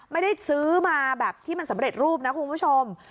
ไม่ได้ซื้อมาแบบที่มันสำเร็จรูปนะคุณผู้ชม